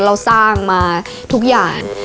เราสร้างมาทุกอย่าง